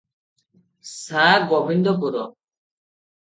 Sa: Gobindpur.